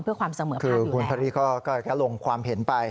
เพื่อความเสมอภาพอยู่แล้วนะครับคือคุณพระฤทธิ์ก็แค่ลงความเห็นไป